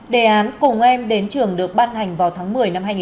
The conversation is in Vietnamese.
đề án cùng em đến trường được ban hành vào tháng một mươi năm hai nghìn một mươi